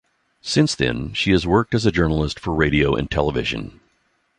Since then, she has worked as a journalist for radio and television.